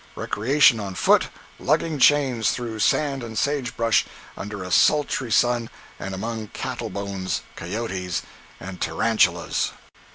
Recreation on foot, lugging chains through sand and sage brush, under a sultry sun and among cattle bones, cayotes and tarantulas.